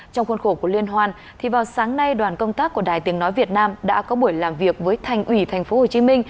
trong khuôn khổ của liên hoan vào sáng nay đoàn công tác của đài tiếng nói việt nam đã có buổi làm việc với thành ủy tp hcm